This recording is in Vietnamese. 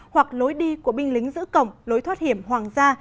hoặc lối đi của binh lính giữ cổng lối thoát hiểm hoàng gia